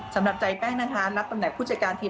สำหรับใจแป้งนะคะรับตำแหน่งผู้จัดการทีม